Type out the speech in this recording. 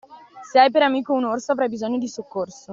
Se hai per amico un orso, avrai bisogno di soccorso.